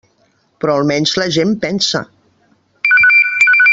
Però almenys la gent pensa.